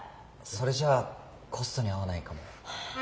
それじゃあコストに合わないかも。